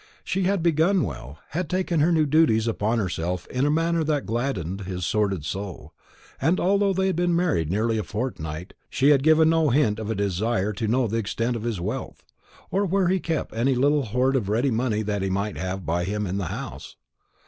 She had begun well, had taken her new duties upon herself in a manner that gladdened his sordid soul; and although they had been married nearly a fortnight, she had given no hint of a desire to know the extent of his wealth, or where he kept any little hoard of ready money that he might have by him in the house.